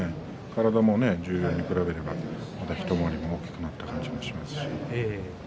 体も十両に比べれば一回り大きくなった気がしますね。